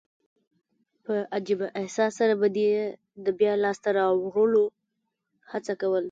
په عجبه احساس سره به دي يي د بیا لاسته راوړلو هڅه کول.